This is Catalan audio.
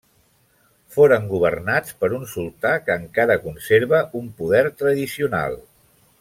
Foren governats per un sultà que encara conserva un poder tradicional.